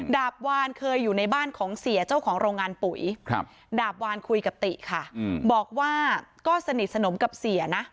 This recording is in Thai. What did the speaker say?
ดาบวานเคยอยู่ในบ้านของเสียเจ้าของโรงงานปุ๋ยดาบวานคุยกับติค่ะบอกว่าก็สนิทสนมกับเสียนะ